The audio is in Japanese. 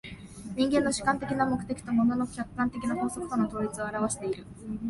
人間の主観的な目的と物の客観的な法則との統一を現わしている。